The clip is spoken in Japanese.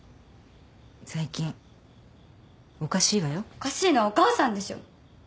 おかしいのはお母さんでしょ。